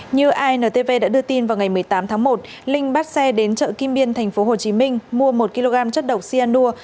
như intv đã đưa tin vào ngày một mươi tám tháng một linh bắt xe đến chợ kim biên tp hcm mua một kg chất độc cyanur